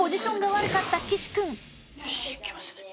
よしいきますね。